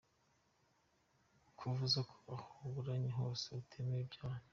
Kuvuga ko aho waburanye hose utemeye ibyaha?